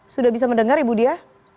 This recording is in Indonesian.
sudah bisa mendengar ya budia